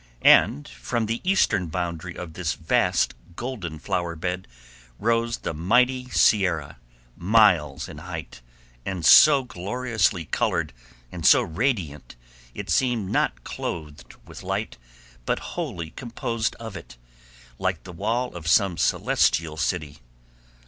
And from the eastern boundary of this vast golden flower bed rose the mighty Sierra, miles in height, and so gloriously colored and so radiant, it seemed not clothed with light, but wholly composed of it, like the wall of some celestial city.